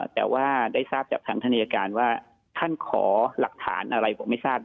แต่ว่าได้ทราบจากทางท่านอายการว่าท่านขอหลักฐานอะไรผมไม่ทราบ